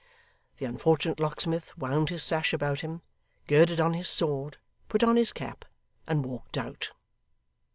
The unfortunate locksmith wound his sash about him, girded on his sword, put on his cap, and walked out.